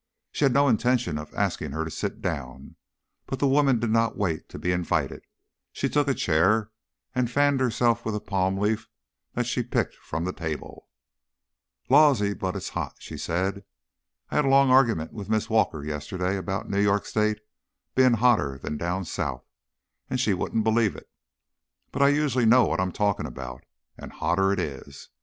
She had no intention of asking her to sit down, but the woman did not wait to be invited. She took a chair and fanned herself with a palm leaf that she picked from the table. "Lawsy, but it's hot," she said. "I had a long argument with Miss Walker yesterday about New York State bein' hotter 'n down South, and she wouldn't believe it. But I usually know what I'm talkin' about, and hotter it is.